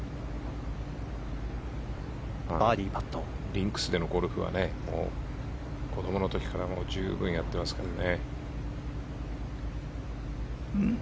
リンクスでのゴルフは子供の時から十分やってますからね。